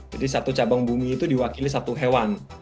satu cabang bumi itu diwakili satu hewan